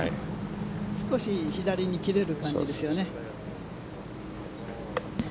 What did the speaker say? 少し左に切れる感じですよね。